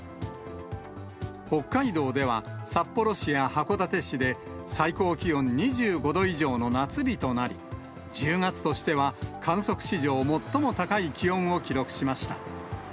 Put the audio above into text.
北海道では、札幌市や函館市で最高気温２５度以上の夏日となり、１０月としては観測史上最も高い気温を記録しました。